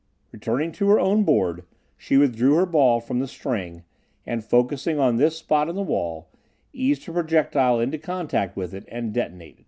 Returning to her own board, she withdrew her ball from the "string," and focussing on this spot in the wall, eased her projectile into contact with it and detonated.